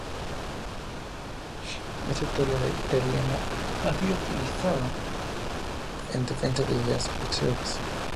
Esta historia de Thelema ha sido utilizada en defensa de ideas posteriores.